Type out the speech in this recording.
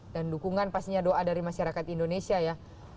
dan dukungan pastinya doa dari masyarakat indonesia ya